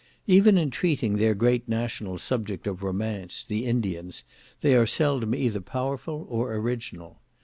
Even in treating their great national subject of romance, the Indians, they are seldom either powerful or original.